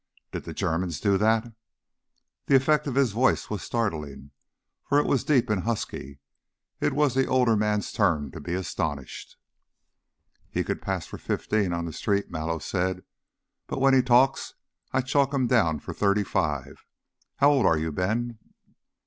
"Did the Germans do that?" The effect of his voice was startling, for it was deep and husky; it was the older man's turn to be astonished. "He could pass for fifteen on the street," Mallow said; "but when he talks I chalk him down for thirty five. How old are you, Ben?"